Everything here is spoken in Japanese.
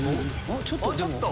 ちょっと。